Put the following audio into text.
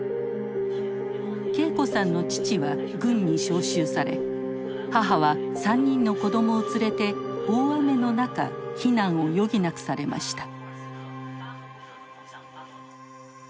桂子さんの父は軍に召集され母は３人の子どもを連れて大雨の中避難を余儀なくされました。